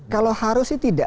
kalau harus sih tidak